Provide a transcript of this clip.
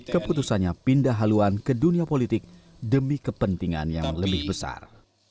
keputusannya pindah haluan ke dunia politik demi kepentingan yang lebih besar